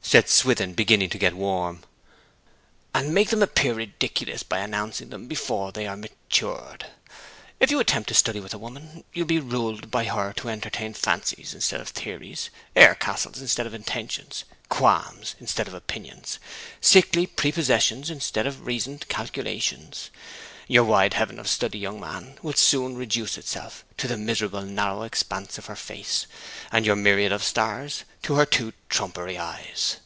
said Swithin, beginning to get warm. ' and make them appear ridiculous by announcing them before they are matured. If you attempt to study with a woman, you'll be ruled by her to entertain fancies instead of theories, air castles instead of intentions, qualms instead of opinions, sickly prepossessions instead of reasoned conclusions. Your wide heaven of study, young man, will soon reduce itself to the miserable narrow expanse of her face, and your myriad of stars to her two trumpery eyes.